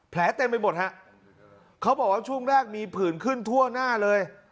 เต็มไปหมดฮะเขาบอกว่าช่วงแรกมีผื่นขึ้นทั่วหน้าเลย